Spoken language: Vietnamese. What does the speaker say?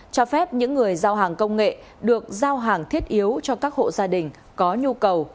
cho phép những người giao hàng công nghệ được giao hàng thiết yếu cho các hộ gia đình có nhu cầu